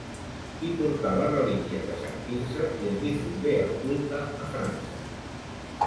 Hi portà les relíquies de Sant Quirze i en difongué el culte a França.